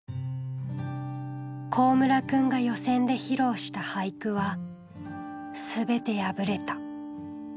幸村くんが予選で披露した俳句は全て敗れた。